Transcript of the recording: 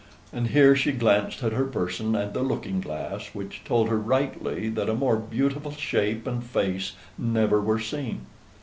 and here she glanced at her person and the looking glass, which told her rightly that a more beautiful shape and face never were seen.